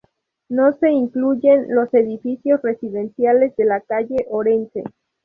No se incluyen los edificios residenciales de la calle Orense.